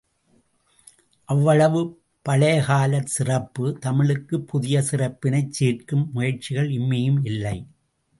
அவ்வளவும் பழையகாலச் சிறப்பு, தமிழுக்குப் புதிய சிறப்பினைச் சேர்க்கும் முயற்சிகள் இம்மியும் இல்லை.